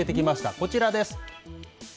こちらです。